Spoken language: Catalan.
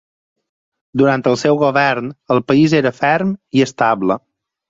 Durant el seu govern el país era ferm i estable.